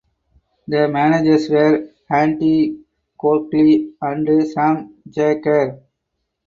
The managers were Andy Coakley and Sam Jaeger.